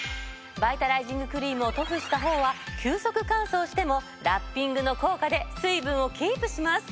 バイタライジングクリームを塗布したほうは急速乾燥してもラッピングの効果で水分をキープします。